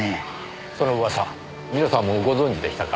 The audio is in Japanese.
その噂皆さんもご存じでしたか。